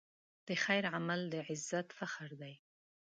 د خیر عمل د عزت فخر دی.